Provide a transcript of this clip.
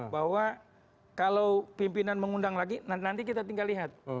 bahwa kalau pimpinan mengundang lagi nanti kita tinggal lihat